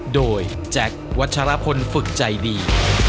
โดยแจ็ควัชรพลฝึกใจดี